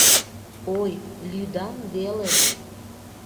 Ой, лӱдам веле.